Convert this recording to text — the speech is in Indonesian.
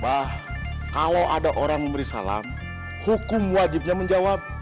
bahwa kalau ada orang memberi salam hukum wajibnya menjawab